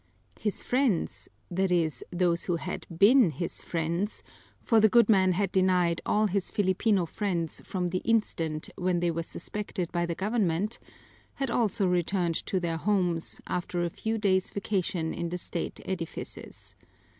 His friends, that is, those who had been his friends for the good man had denied all his Filipino friends from the instant when they were suspected by the government had also returned to their homes after a few days' vacation in the state edifices.